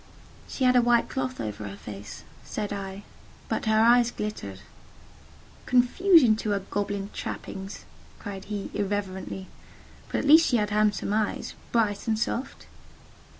"She had a white cloth over her face," said I, "but her eyes glittered." "Confusion to her goblin trappings!" cried he, irreverently: "but at least she had handsome eyes—bright and soft."